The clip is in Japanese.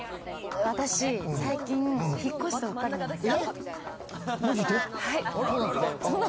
私最近引っ越したばかりなんですよ。